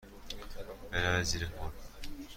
بروید زیر پل.